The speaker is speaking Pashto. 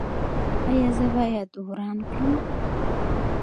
ایا زه باید وران کړم؟